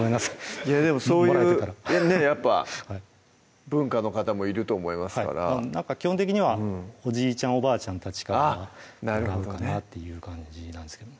いやでもそういうねやっぱ文化の方もいると思いますから基本的にはおじいちゃん・おばあちゃんたちからもらうかなっていう感じなんですけどね